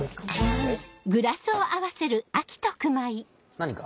何か？